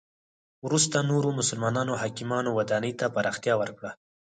وروسته نورو مسلمانو حاکمانو ودانی ته پراختیا ورکړه.